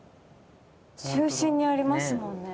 中心にありますもんね。